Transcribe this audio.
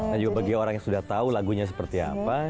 nah juga bagi orang yang sudah tahu lagunya seperti apa